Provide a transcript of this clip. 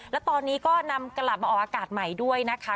แล้วตอนนี้ก็นำกลับมาออกอากาศใหม่ด้วยนะคะ